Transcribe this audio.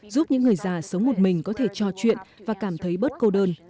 giúp những người già sống một mình có thể trò chuyện và cảm thấy bớt cô đơn